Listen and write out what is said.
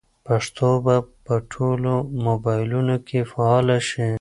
پښتو به په ټولو موبایلونو کې فعاله شي.